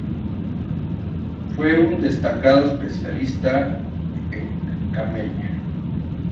Fue un destacado especialista en "Camellia".